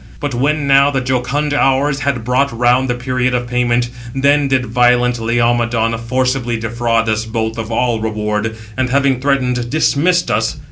685 But when now the jocund Hours had brought round the period of payment, then did violent Laomedon forcibly defraud us both of all reward, and having threatened, dismissed us.